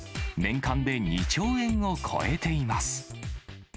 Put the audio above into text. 年間で２兆円を超えています。